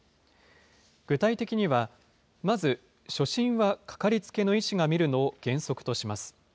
具体的には、まず初診は掛かりつけの医師が診るのを原則とします。